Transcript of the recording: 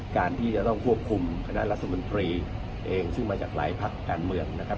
การที่จะต้องควบคุมคณะรัฐมนตรีเองซึ่งมาจากหลายพักการเมืองนะครับ